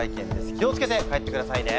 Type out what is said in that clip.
気を付けて帰ってくださいね。